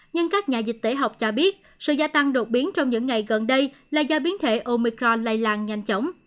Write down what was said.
nhưng các nhà dịch tễ học cho biết sự gia tăng đột biến trong những ngày gần đây là do biến thể omicron lây lan nhanh chóng